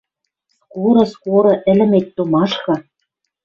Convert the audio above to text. Скоро, скоро ӹлӹмет томашкы